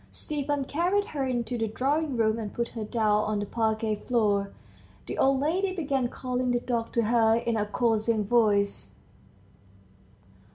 Stepan carried her into the drawing room, and put her down on the parquette floor. The old lady began calling the dog to her in a coaxing voice.